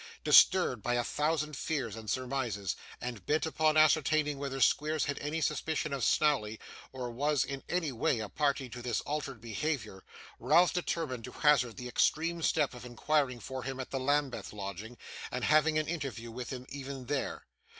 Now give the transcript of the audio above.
Disturbed by a thousand fears and surmises, and bent upon ascertaining whether Squeers had any suspicion of Snawley, or was, in any way, a party to this altered behaviour, Ralph determined to hazard the extreme step of inquiring for him at the Lambeth lodging, and having an interview with him even there.